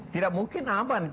tidak mungkin aman